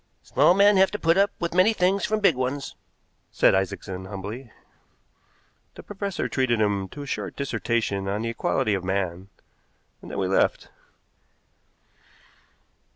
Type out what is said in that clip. "Small men have to put up with many things from big ones," said Isaacson humbly. The professor treated him to a short dissertation on the equality of man, and then we left.